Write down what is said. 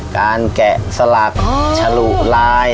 แกะสลักฉลุลาย